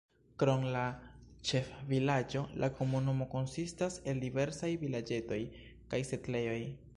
Krom la ĉefvilaĝo la komunumo konsistas el diversaj vilaĝetoj kaj setlejoj.